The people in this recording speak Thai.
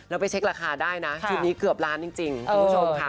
แล้วไปเช็คราคาได้นะชุดนี้เกือบล้านจริงคุณผู้ชมค่ะ